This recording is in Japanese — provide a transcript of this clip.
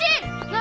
何？